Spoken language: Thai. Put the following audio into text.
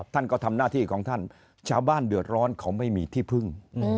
ท่านก็ทำหน้าที่ของท่านชาวบ้านเดือดร้อนเขาไม่มีที่พึ่ง